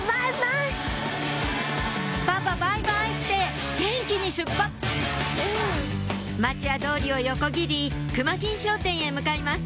「パパバイバイ」って元気に出発町家通りを横切りくま金商店へ向かいます